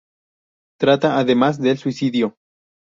Trata además del suicidio.